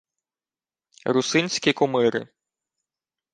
— Русинські кумири.